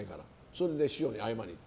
それで師匠に謝りに行く。